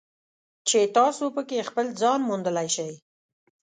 چې تاسو پکې خپل ځان موندلی شئ.